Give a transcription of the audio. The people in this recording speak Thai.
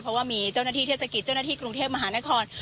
เพราะว่ามีเจ้าหน้าที่เทศกิจเจ้าหน้าที่กรุงเทพมหานคร